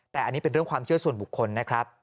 แต่อันนี้เป็นเรื่องความเชื่อส่วนบุคคลนะครับ